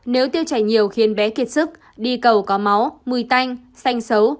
nếu tiêu chảy nhiều khiến bé kiệt sức đi cầu có máu mùi tanh xanh xấu